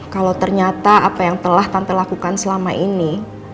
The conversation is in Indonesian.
kalau ternyata apa yang telah tante lakukan selama ini